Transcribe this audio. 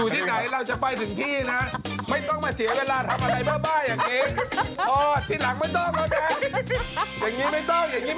เสียเวลาทิ้งอีกหน่อยบรรทักษ์ไทยรัฐ